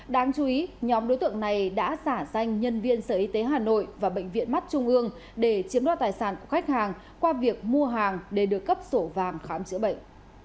đáng chú ý nhóm đối tượng này đã giả danh nhân viên sở y tế hà nội và bệnh viện mắt trung ương để chiếm đo tài sản của khách hàng qua việc mua hàng để được cấp sổ vàm khám chữa bệnh